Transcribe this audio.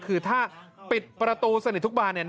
คือถ้าปิดประตูสนิททุกบานเนี่ย